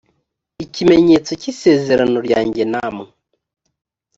ikimenyetso cy isezerano ryanjye namwe